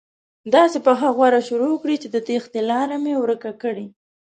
داسې پخه غوره شروع کړي چې د تېښتې لاره مې ورکه کړي.